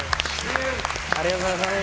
ありがとうございます！